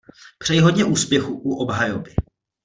Přeji hodně úspěchu u obhajoby.